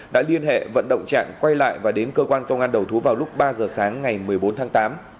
đã liên hệ vận động trạng quay lại và đến cơ quan công an đầu thú vào lúc ba giờ sáng ngày một mươi bốn tháng tám